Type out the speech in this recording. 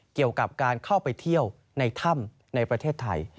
เกี่ยวกับการเข้าไปเที่ยวในถ้ำในประเทศไทย